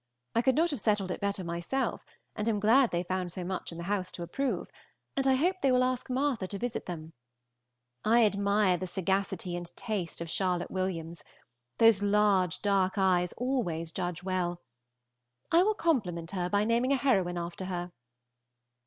I could not have settled it better myself, and am glad they found so much in the house to approve, and I hope they will ask Martha to visit them. I admire the sagacity and taste of Charlotte Williams. Those large dark eyes always judge well. I will compliment her by naming a heroine after her.